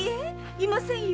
いませんよ。